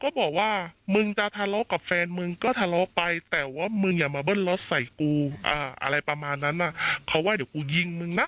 บอกว่ามึงจะทะเลาะกับแฟนมึงก็ทะเลาะไปแต่ว่ามึงอย่ามาเบิ้ลรถใส่กูอะไรประมาณนั้นอ่ะเขาว่าเดี๋ยวกูยิงมึงนะ